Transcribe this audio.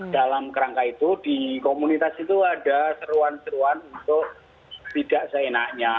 dalam kerangka itu di komunitas itu ada seruan seruan untuk tidak seenaknya